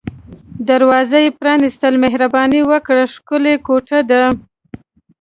دروازه یې پرانیستل، مهرباني وکړئ، ښکلې کوټه ده.